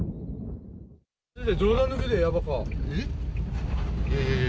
冗談抜きでやばか。